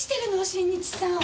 新日さん。